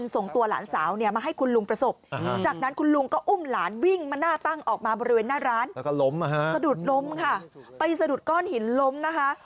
สะดุดล้มค่ะไปสะดุดก้อนหินล้มนะคะ